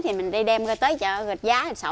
thì mình đi đem ra tới chợ gạch giá